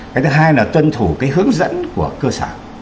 cái thứ hai là tuân thủ cái hướng dẫn của cơ sở